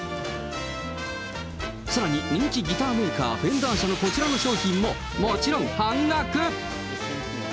さらに人気ギターメーカー、フェンダー社のこちらのギターももちろん、半額。